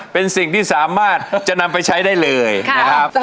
เป็นสิ่งที่สามารถจะนำไปใช้ได้เลยนะครับ